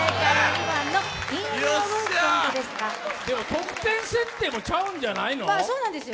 得点設定もちゃうんじゃないの？